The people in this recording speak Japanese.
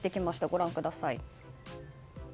ご覧ください。